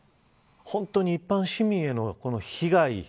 本当に一般市民への被害